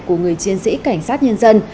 của người chiến sĩ cảnh sát nhân dân